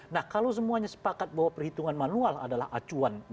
nah kalau semuanya sepakat bahwa perhitungan manual adalah acuan